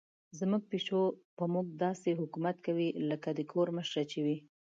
زموږ پیشو په موږ داسې حکومت کوي لکه د کور مشره چې وي.